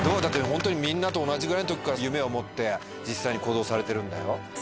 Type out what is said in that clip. ホントにみんなと同じぐらいの時から夢を持って実際に行動されてるんだよ。